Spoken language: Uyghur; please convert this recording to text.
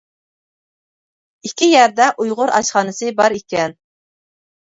ئىككى يەردە ئۇيغۇر ئاشخانىسى بار ئىكەن.